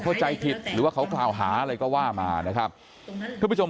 เข้าใจผิดหรือว่าเขากล่าวหาอะไรก็ว่ามานะครับทุกผู้ชม